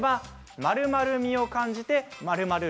○○みを感じて○○る。